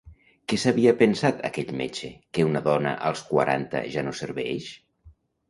Què s'havia pensat aquell metge, que una dona als quaranta ja no serveix?